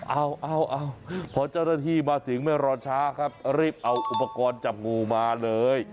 เอาพอเจ้าหน้าที่มาถึงไม่รอช้าครับรีบเอาอุปกรณ์จับงูมาเลย